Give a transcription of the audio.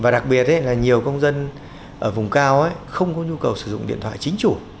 đặc biệt là nhiều công dân ở vùng cao không có nhu cầu sử dụng điện thoại chính chủ